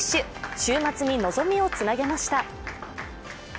週末に望みをつなげました。